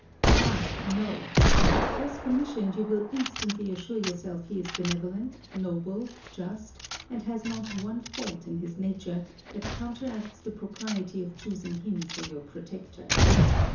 Ah, no! Thus commissioned, you will instantly assure yourself he is benevolent, noble, just, and has not one fault in his nature, that counteracts the propriety of choosing him for your protector.